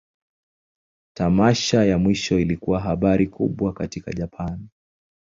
Tamasha ya mwisho ilikuwa habari kubwa katika Japan.